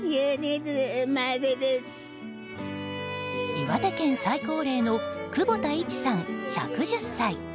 岩手県最高齢の久保田イチさん、１１０歳。